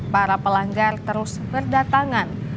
para pelanggar terus berdatangan